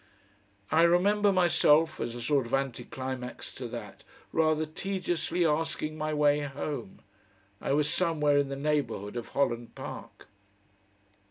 I remember myself as a sort of anti climax to that rather tediously asking my way home. I was somewhere in the neighbourhood of Holland Park....